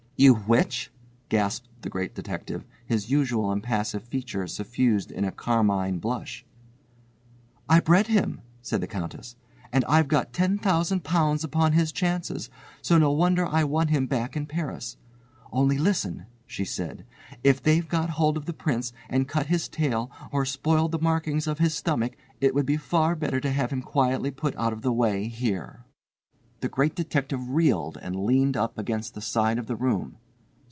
"You which?" gasped the Great Detective, his usually impassive features suffused with a carmine blush. "I bred him," said the Countess, "and I've got £10,000 upon his chances, so no wonder I want him back in Paris. Only listen," she said, "if they've got hold of the Prince and cut his tail or spoiled the markings of his stomach it would be far better to have him quietly put out of the way here." The Great Detective reeled and leaned up against the side of the room.